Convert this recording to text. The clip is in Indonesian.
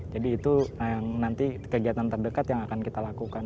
jadi itu nanti kegiatan terdekat yang akan kita lakukan